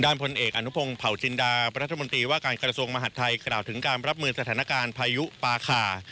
พลเอกอนุพงศ์เผาจินดารัฐมนตรีว่าการกระทรวงมหาดไทยกล่าวถึงการรับมือสถานการณ์พายุปาคา